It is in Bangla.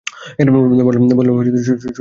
বললো, সন্ধ্যার মধ্যে টাকা ফেরত না দিলে।